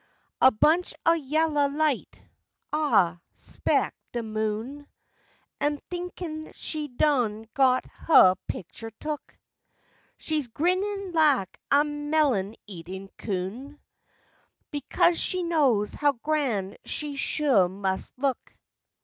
A bunch o' yalla light—! Ah 'spec' de moon Am thinkin' she done got huh picture took, She's grinnin' lak a melon eatin' coon Becos she knows how gran' she sho' mus' look!